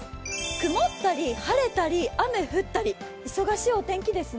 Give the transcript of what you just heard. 曇ったり、晴れたり、雨降ったり、忙しいお天気ですね。